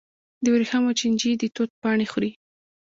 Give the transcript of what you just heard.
د ورېښمو چینجي د توت پاڼې خوري.